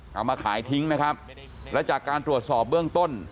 เอามาขายทิ้งนะครับและจากการตรวจสอบเบื้องต้น